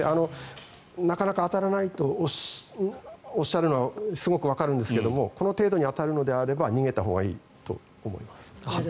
なかなか当たらないとおっしゃるのはすごくわかるんですがこの程度に当たるのであれば逃げたほうがいいと思います。